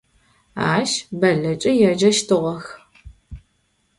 Ащ Бэллэкӏэ еджэщтыгъэх.